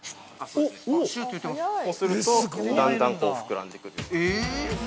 ◆そうするとだんだん膨らんでくる。